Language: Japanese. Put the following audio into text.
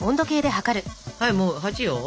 はいもう８よ。